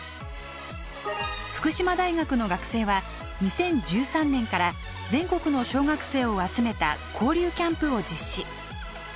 福島大学の学生は２０１３年から全国の小学生を集めた交流キャンプを実施。